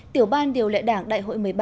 tiểu ban điều lệ đảng đại hội một mươi ba